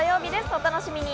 お楽しみに。